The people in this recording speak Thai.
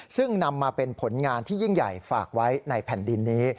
ซึ่งนำมาเป็นผลงานที่ยิ่งใหญ่ฝากไว้ในแผ่นดินนี้